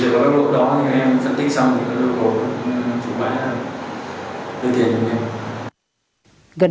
đều có các lỗi đó thì em phân tích xong thì có lỗi phụ bãi là đưa tiền cho mình